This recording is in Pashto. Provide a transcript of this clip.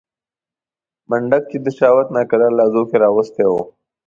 منډک چې د شهوت ناکرار لحظو کې راوستی و.